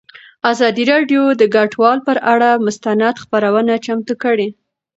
ازادي راډیو د کډوال پر اړه مستند خپرونه چمتو کړې.